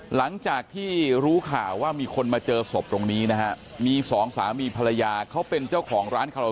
หลังจากที่รู้ข่าวว่ามีคนมาเจอศพตรงนี้นะฮะมีสองสามีภรรยาเขาเป็นเจ้าของร้านคาราโอ